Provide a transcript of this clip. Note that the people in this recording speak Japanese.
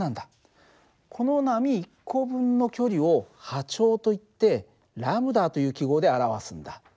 この波１個分の距離を波長といってλという記号で表すんだ。